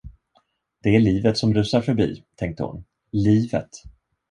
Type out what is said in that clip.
Det är livet som rusar förbi, tänkte hon, livet!